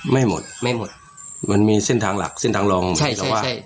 ไม่หมดไม่หมดมันมีเส้นทางหลักเส้นทางรองใช่แต่ว่าใช่